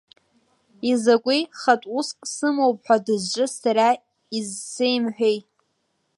Изакәи, хатә уск сымоуп ҳәа дызҿыз, сара изсеимҳәеи?